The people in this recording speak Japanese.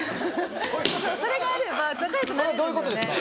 どういうことや？